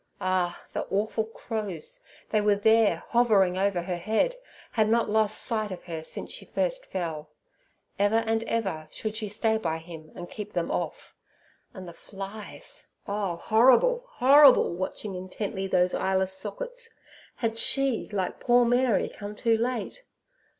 Ah! the awful crows! They were there, hovering over her head, had not lost sight of her since she fell first. Ever and ever should she stay by Him and keep them off. And the flies! Oh, horrible! horrible!—watching intently those eyeless sockets. Had she, like poor Mary, come too late?